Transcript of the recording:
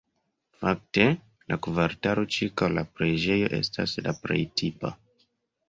Fakte la kvartalo ĉirkaŭ la preĝejo estas la plej tipa.